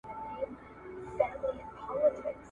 پاچهي یې د مرغانو مسخره سوه